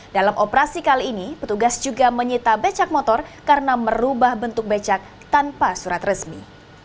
dalam operasi kali ini petugas juga menyita becak motor karena merubah bentuk becak tanpa surat resmi